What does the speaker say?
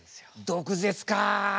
毒舌か。